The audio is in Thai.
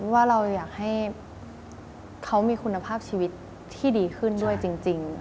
ว่าเราอยากให้เขามีคุณภาพชีวิตที่ดีขึ้นด้วยจริง